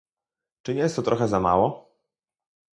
Czy nie jest to trochę za mało?